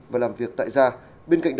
và làm việc tại gia